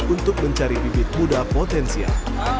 untuk mencari bibit muda potensial